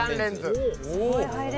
すごい。